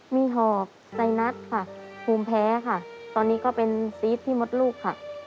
มีหอบไซนัสค่ะภูมิแพ้ค่ะตอนนี้ก็เป็นซีสพี่มดลูกค่ะ